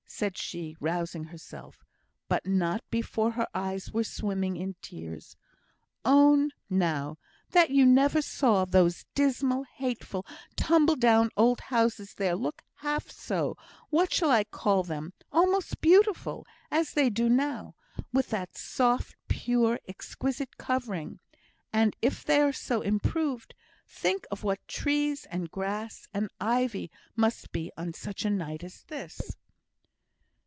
said she, rousing herself, but not before her eyes were swimming with tears, "own, now, that you never saw those dismal, hateful, tumble down old houses there look half so what shall I call them? almost beautiful as they do now, with that soft, pure, exquisite covering; and if they are so improved, think of what trees, and grass, and ivy must be on such a night as this."